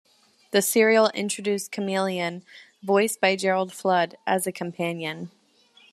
This serial introduced Kamelion, voiced by Gerald Flood, as a companion.